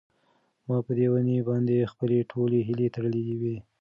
ما په دې ونې باندې خپلې ټولې هیلې تړلې وې.